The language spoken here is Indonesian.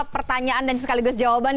pertanyaan dan sekaligus jawaban